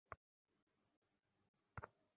তাহারা কহিল–কই, খোরাকির তো কোনো কথা নাই।